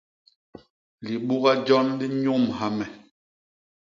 Libuga jon li nnyômha me.